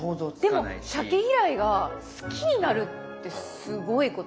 でもしゃけ嫌いが好きになるってすごいことだよね。